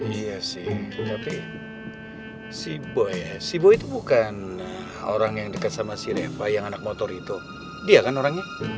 iya sih tapi si bo ya si bo itu bukan orang yang dekat sama si reva yang anak motor itu dia kan orangnya